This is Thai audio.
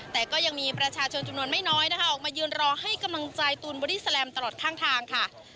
แต่ก็ยังมีประชาชนจำนวนไม่น้อยนะคะออกมายืนรอให้กำลังใจตูนบอดี้แลมตลอดข้างทางค่ะ